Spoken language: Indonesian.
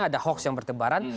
ada hoaks yang berkebaran